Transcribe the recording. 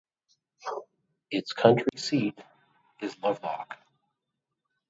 Its county seat is Lovelock.